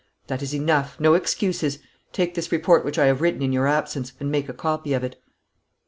That is enough! No excuses! Take this report which I have written in your absence, and make a copy of it.'